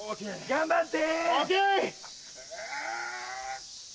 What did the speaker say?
頑張って！